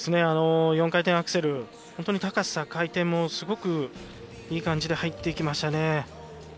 ４回転アクセルは高さ、回転もすごくいい感じで入っていきましたね。